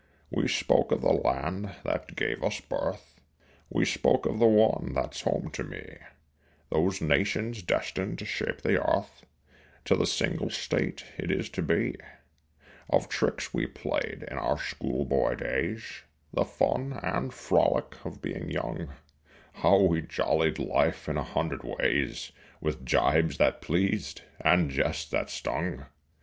We spoke of the land that gave us birth; We spoke of the one that's home to me: Those nations destined to shape the earth To the single state it is to be Of tricks we played in our school boy days; The fun and frolic of being young; How we jollied life in a hundred ways With gibes that pleased and jests that stung.